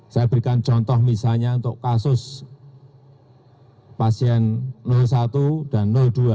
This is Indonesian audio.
saya berikan contoh misalnya untuk kasus pasien satu dan dua